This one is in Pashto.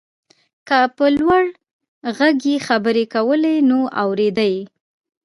که په لوړ غږ يې خبرې کولای نو اورېده يې.